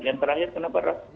yang terakhir kenapa raff